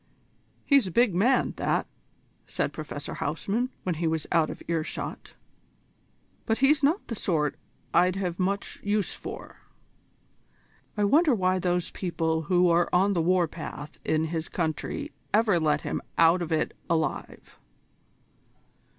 "He's a big man, that," said Professor van Huysman, when he was out of earshot, "but he's not the sort I'd have much use for. I wonder why those people who are on the war path in his country ever let him out of it alive?"